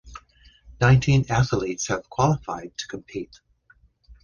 Nineteen athletes have qualified to compete.